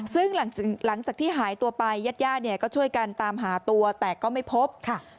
ซึ่งหลังจากที่หายตัวไปญาติญาติเนี่ยก็ช่วยกันตามหาตัวแต่ก็ไม่พบค่ะ